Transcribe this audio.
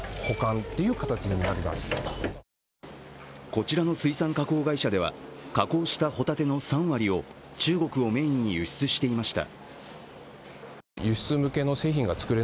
こちらの水産加工会社では加工したホタテの３割を中国をメインに輸出していました。